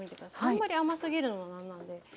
あんまり甘すぎるのもなんなんで。